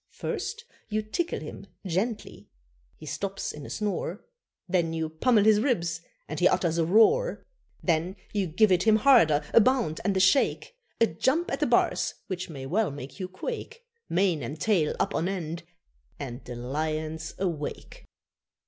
First you tickle him gently, he stops in a snore, Then you pummel his ribs and he utters a roar. Then you give it him harder a bound and a shake, A jump at the bars which may well make you quake, Mane and tail up on end and the lion's awake.